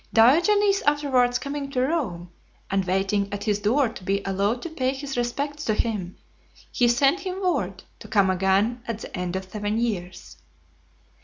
Diogenes afterwards coming to Rome, and waiting at his door to be allowed to pay his respects to him, he sent him word to come again at the end of seven years.